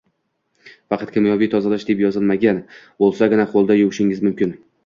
Faqat kimyoviy tozalash deb yozilmagan bo‘lsagina, qo‘lda yuvishingiz mumkin